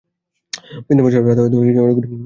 বৃন্দাবন শহরে রাধা ও কৃষ্ণের অনেকগুলি মন্দির আছে।